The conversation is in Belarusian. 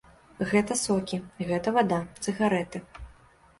Гэта сокі, гэта вада, цыгарэты.